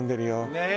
ねえ。